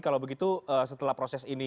kalau begitu setelah proses ini